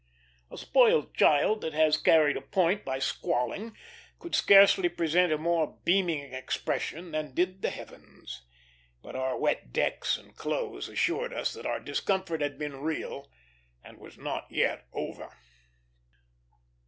A spoiled child that has carried a point by squalling could scarcely present a more beaming expression than did the heavens; but our wet decks and clothes assured us that our discomfort had been real and was not yet over.